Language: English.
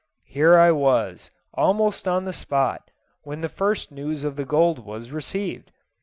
Here I was, almost on the spot, when the first news of the gold was received.